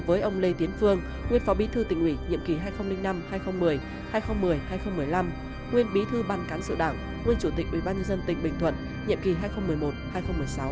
với ông lê tiến phương nguyên phó bí thư tỉnh ủy nhiệm kỳ hai nghìn năm hai nghìn một mươi hai nghìn một mươi hai nghìn một mươi năm nguyên bí thư ban cán sự đảng nguyên chủ tịch ubnd tỉnh bình thuận nhiệm kỳ hai nghìn một mươi một hai nghìn một mươi sáu